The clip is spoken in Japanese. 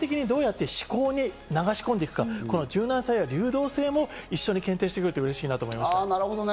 立体的にどうやって思考に流し込んでいくか、柔軟性や流動性も一緒に検定してくれると嬉しいと思います。